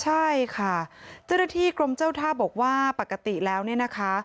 ใช่ค่ะเจ้าหน้าที่กรมเจ้าท่าบอกว่าปกติแล้วเนี่ยนะคะ